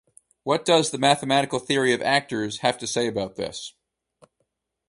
What does the mathematical theory of Actors have to say about this?